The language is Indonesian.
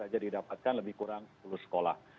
jadi ini sudah menyebabkan lebih kurang sepuluh sekolah